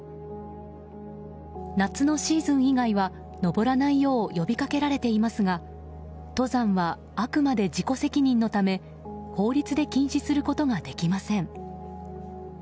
夏のシーズン以外は登らないよう呼びかけられていますが登山はあくまで自己責任のため法律で禁止することができません。